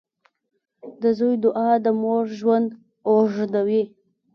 • د زوی دعا د مور ژوند اوږدوي.